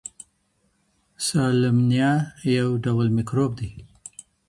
سالمنیلا یو ډول میکروب دی.